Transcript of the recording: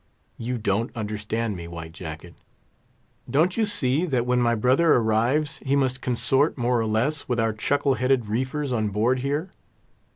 You don't understand me, White Jacket; don't you see, that when my brother arrives, he must consort more or less with our chuckle headed reefers on board here?